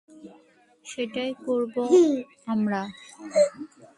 সেটাই করবো আমরা।